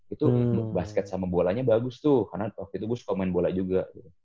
itu basket sama bolanya bagus tuh karena waktu itu gue suka main bola juga